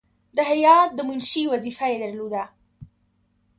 د هیات د منشي وظیفه یې درلوده.